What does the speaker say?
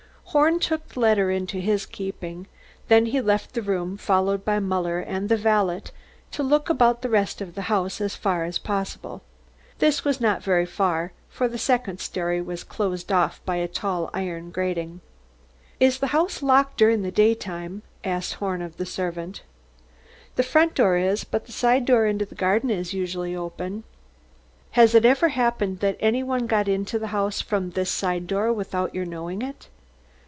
Horn took the letter into his keeping. Then he left the room, followed by Muller and the valet, to look about the rest of the house as far as possible. This was not very far, for the second story was closed off by a tall iron grating. "Is the house door locked during the daytime?" asked Horn of the servant. "The front door is, but the side door into the garden is usually open." "Has it ever happened that any one got into the house from this side door without your knowing it?"